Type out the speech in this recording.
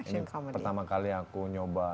ini pertama kali aku nyoba